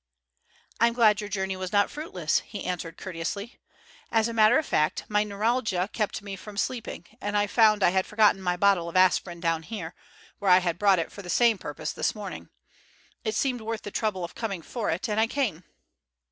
"I'm glad your journey was not fruitless," he answered courteously. "As a matter of fact, my neuralgia kept me from sleeping, and I found I had forgotten my bottle of aspirin down here, where I had brought it for the same purpose this morning. It seemed worth the trouble of coming for it, and I came."